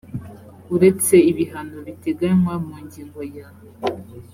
uretse ibihano biteganywa mu ngingo ya